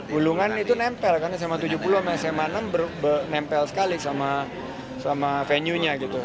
gulungan itu nempel kan sma tujuh puluh sama sma enam nempel sekali sama venue nya gitu